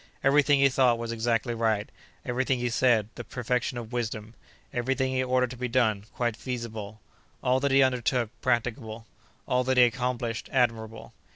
Every thing he thought was exactly right; every thing he said, the perfection of wisdom; every thing he ordered to be done, quite feasible; all that he undertook, practicable; all that he accomplished, admirable.